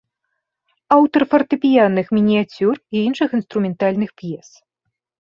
Аўтар фартэпіянных мініяцюр і іншых інструментальных п'ес.